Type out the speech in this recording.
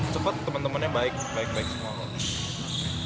cepat teman temannya baik baik baik semua